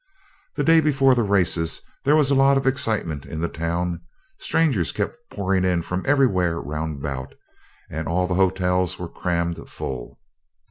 The day before the races there was a lot of excitement in the town. Strangers kept pouring in from everywhere round about, and all the hotels were crammed full.